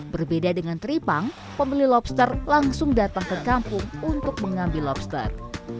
berbeda dengan tripang pembeli lobster langsung datang ke kampung untuk mengambil lobster